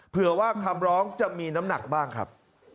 เผื่อว่าคำร้องจะมีน้ำหนักบ้างครับ